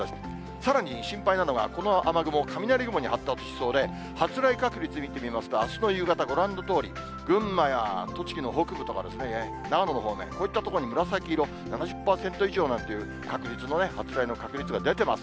さらに心配なのがこの雨雲、雷雲に発達しそうで、発雷確率見てみますと、あすの夕方、ご覧のとおり、群馬や栃木の北部とかですね、長野の方面、こういった所に紫色、７０％以上なんていう確率の発雷の確率が出てます。